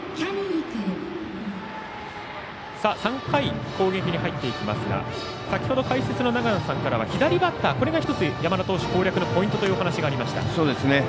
３回、攻撃に入っていきますが先ほど解説の長野さんからは左バッター、これが１つ山田投手攻略のポイントと話がありました。